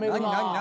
何？